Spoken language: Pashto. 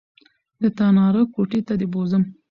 د تناره کوټې ته دې بوځم